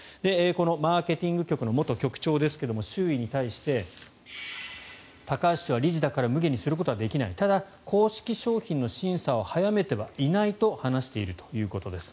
このマーケティング局の元局長ですが周囲に対して高橋氏は理事だからむげにすることはできないただ、公式商品の審査を早めてはいないと話しているということです。